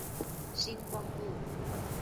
新光路